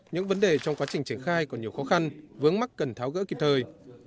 những vấn đề trong quá trình triển khai còn nhiều khó khăn vướng mắt cần tháo gỡ kịp thời